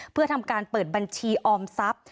เพื่อทำการเปิดบัญชีออมทรัพย์